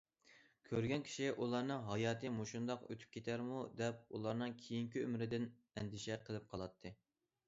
كۆرگەن كىشى ئۇلارنىڭ ھاياتى مۇشۇنداق ئۆتۈپ كېتەرمۇ دەپ ئۇلارنىڭ كېيىنكى ئۆمرىدىن ئەندىشە قىلىپ قالاتتى.